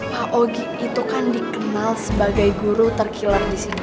pak ogi itu kan dikenal sebagai guru terkilah di sini